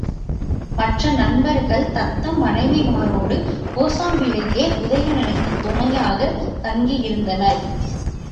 மற்ற நண்பர்கள் தத்தம் மனைவிமாரோடு கோசாம்பியிலேயே உதயணனுக்குத் துணையாகத் தங்கியிருந்தனர்.